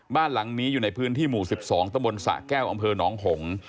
บ้านหลังนี้อยู่ในพื้นที่หมู่๑๒ตะบนสะแก้วอำเภอหนองหง